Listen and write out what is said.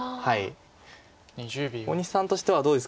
大西さんとしてはどうですか